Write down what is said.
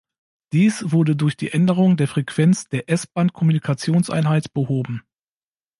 Dies wurde durch die Änderung der Frequenz der S-Band-Kommunikationseinheit behoben.